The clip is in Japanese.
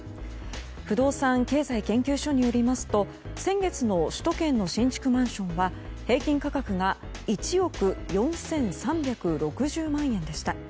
不動産経済研究所によりますと先月の首都圏の新築マンションは平均価格が１億４３６０万円でした。